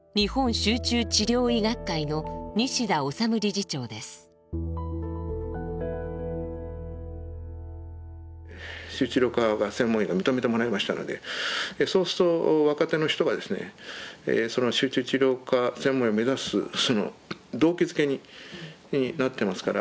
集中治療科が専門医が認めてもらいましたのでそうすると若手の人がですねその集中治療科専門医を目指す動機づけになってますから。